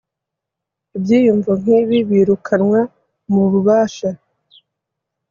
Ibyiyumvo nkibi birukanwa mububasha